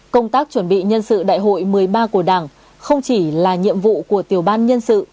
công tác chuẩn bị nhân sự đại hội một mươi ba của đảng không chỉ là nhiệm vụ của tiểu ban nhân sự